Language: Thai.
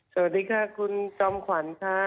สวัสดีค่ะคุณจอมขวัญค่ะ